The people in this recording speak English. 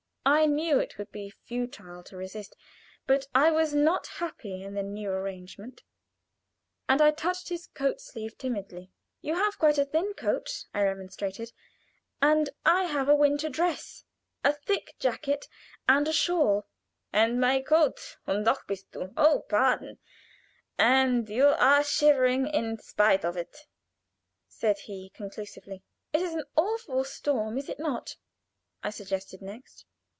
I knew it would be futile to resist, but I was not happy in the new arrangement, and I touched his coat sleeve timidly. "You have quite a thin coat," I remonstrated, "and I have a winter dress, a thick jacket, and a shawl." "And my coat, und doch bist du oh, pardon! and you are shivering in spite of it," said he, conclusively. "It is an awful storm, is it not?" I suggested next.